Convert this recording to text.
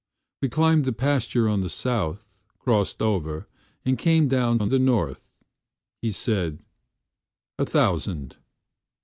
We climbed the pasture on the south, crossed over, And came down on the north. He said, "A thousand."